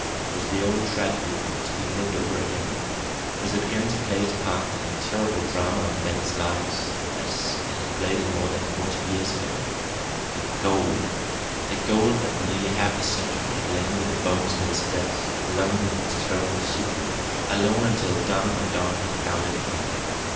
Was the old tragedy of it to be lived over again? Was it again to play its part in a terrible drama of men's lives, as it had played it more than forty years ago? The gold! The gold that for nearly half a century had lain with the bones of its dead, alone with its terrible secret, alone until Donald MacDonald had found it again!